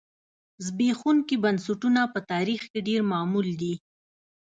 زبېښونکي بنسټونه په تاریخ کې ډېر معمول دي.